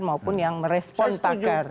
maupun yang merespon tagar